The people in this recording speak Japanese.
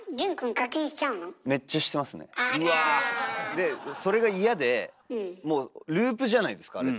でそれが嫌でもうループじゃないですかあれって。